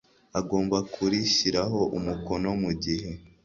agomba kurishyiraho umukono mu gihe